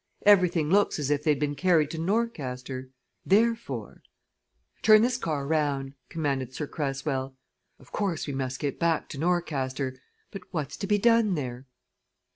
Everything looks as if they'd been carried to Norcaster. Therefore " "Turn this car round," commanded Sir Cresswell. "Of course, we must get back to Norcaster. But what's to be done there?"